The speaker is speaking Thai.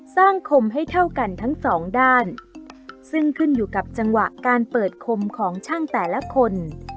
คมให้เท่ากันทั้งสองด้านซึ่งขึ้นอยู่กับจังหวะการเปิดคมของช่างแต่ละคน